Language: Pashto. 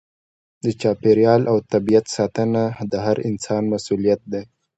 د چاپیریال او طبیعت ساتنه د هر انسان مسؤلیت دی.